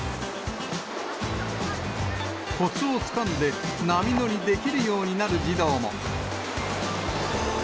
こつをつかんで波乗りできるようになる児童も。